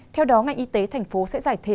theo đó ngành y tế tp hcm sẽ giải thề